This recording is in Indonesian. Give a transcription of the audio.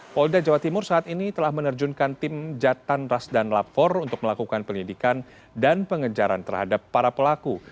polda jawa timur saat ini telah menerjunkan tim jatan rasdan lapor untuk melakukan penyidikan dan pengejaran terhadap para pelaku